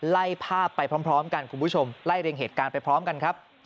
ไล่ภาพไปพร้อมกันคุณผู้ชมไล่เรียงเหตุการณ์ไปพร้อมกันครับ